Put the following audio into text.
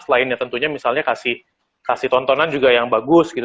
selain ya tentunya misalnya kasih tontonan juga yang bagus gitu